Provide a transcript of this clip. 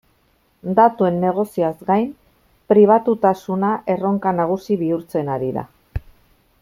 Datuen negozioaz gain, pribatutasuna erronka nagusi bihurtzen ari da.